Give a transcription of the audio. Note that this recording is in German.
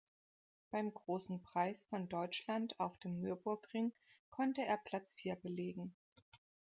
Beim Großen Preis von Deutschland auf dem Nürburgring konnte er Platz vier belegen.